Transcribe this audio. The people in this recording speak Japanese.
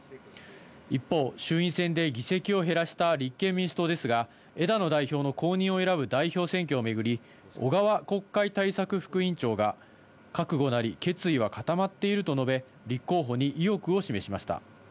一方、衆院選で議席を減らした立憲民主党ですが、枝野代表の後任を選ぶ代表選挙を巡り、小川国会対策副委員長が、覚悟なり決意は固まっていると述べ、立候補に意欲を示しました。